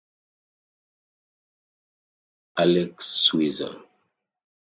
He is substituted by Alex Schwers.